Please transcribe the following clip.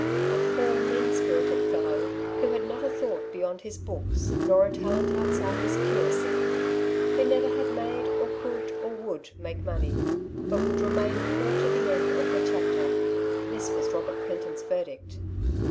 '^A poor, mean spirited fellow, who had not a thought beyond his books, nor a talent out side his curacy ; who never had made, or could or would make money, but would remain poor to the end of the chapter/^ This was Robert Clinton's verdict.